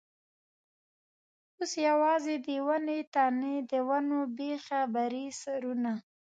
اوس یوازې د ونو تنې، د ونو بېخه برې سرونه.